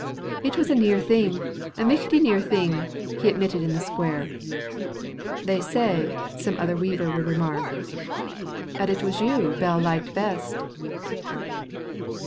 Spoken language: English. "It was a near thing a michty near thing," he admitted in the square. "They say," some other weaver would remark, "'at it was you Bell liked best."